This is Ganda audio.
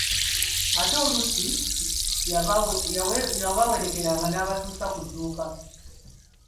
Ate oluusi yabawerekeranga n'abatuusa ku dduuka.